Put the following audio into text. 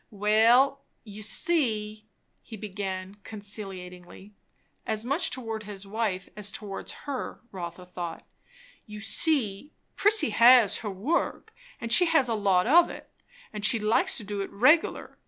"Well you see," he began conciliatingly, as much towards his wife as towards her, Rotha thought, "you see, Prissy has her work, and she has a lot of it; and she likes to do it reg'lar.